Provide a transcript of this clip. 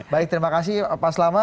baik terima kasih pak selamat